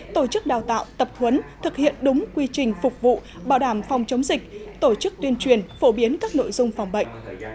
tổ chức đào tạo tập thuấn thực hiện đúng quy trình phục vụ bảo đảm phòng chống dịch tổ chức tuyên truyền phổ biến các nội dung phòng bệnh